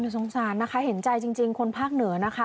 สงสารนะคะเห็นใจจริงคนภาคเหนือนะคะ